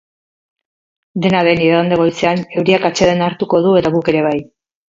Dena den, igande goizean euriak atsedena hartuko du eta guk ere bai.